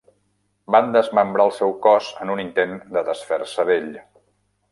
Van desmembrar el seu cos en un intent de desfer-se d'ell.